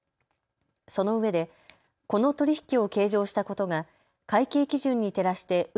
そのうえでこの取り引きを計上したことが会計基準に照らしてう